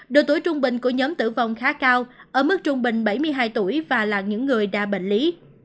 độ tuổi trung bình của nhóm tử vong khá cao ở mức trung bình bảy mươi hai tuổi và là những người đa bệnh lý